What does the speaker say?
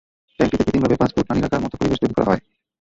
ট্যাংকটিতে কৃত্রিমভাবে পাঁচ ফুট পানি রাখার মতো পরিবেশ তৈরি করা হয়।